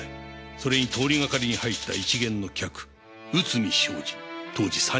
それに通りがかりに入った一見の客内海将司当時３２歳。